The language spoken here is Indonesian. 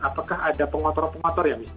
apakah ada pengotor pengotor yang misalnya